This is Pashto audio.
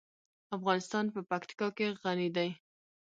افغانستان په پکتیکا غني دی.